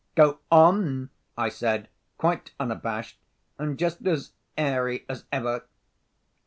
"Go on!" I said, quite unabashed, and just as airy as ever.